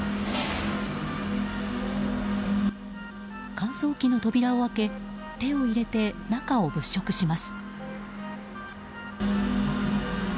乾燥機の扉を開け手を入れて中を物色します。